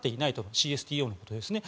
ＣＳＴＯのことですね。